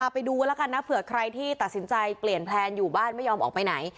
ไปดูแล้วกันนะเผื่อใครที่ตัดสินใจเปลี่ยนแพลนอยู่บ้านไม่ยอมออกไปไหน